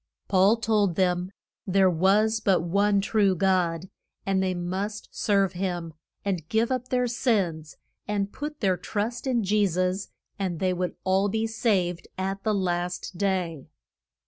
Paul told them there was but one true God, and they must serve him and give up their sins, and put their trust in Je sus, and they would all be saved at the last day.